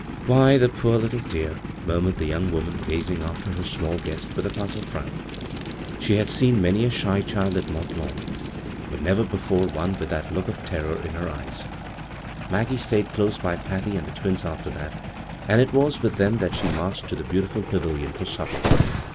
'■ Why, the poor little dear I " murmured the young woman, gazing after her small guest with a puzzled frown. She had seen many a shy child at Mont Lawn, but never before one with that look of terror in her eyes. 147 b, Google CROSS CURRENTS Maggie stayed close by Patty and the twins after that ; and it was with them that she marched to the beautihil pavilion for supper.